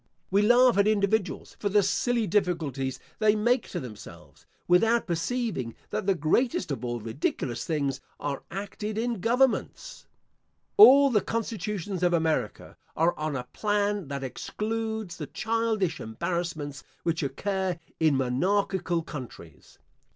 We laugh at individuals for the silly difficulties they make to themselves, without perceiving that the greatest of all ridiculous things are acted in governments.* All the constitutions of America are on a plan that excludes the childish embarrassments which occur in monarchical countries.